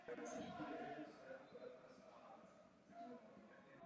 Prosperující evropský průmysl má pro dosažení lisabonských cílů klíčový význam.